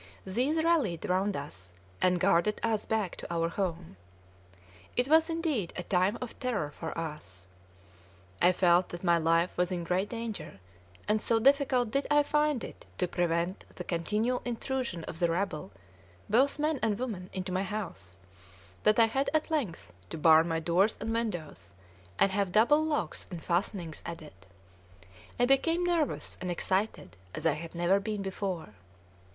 These rallied round us, and guarded us back to our home. It was, indeed, a time of terror for us. I felt that my life was in great danger; and so difficult did I find it to prevent the continual intrusion of the rabble, both men and women, into my house, that I had at length to bar my doors and windows, and have double locks and fastenings added. I became nervous and excited as I had never been before.